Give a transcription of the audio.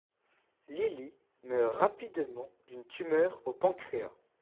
Li Li meurt rapidement, d'une tumeur au pancréas.